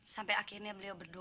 sampai akhirnya beliau berdoa